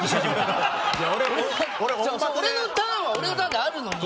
俺のターンは俺のターンであるのに。